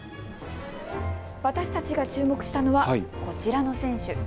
私たちが注目したのはこちらの選手。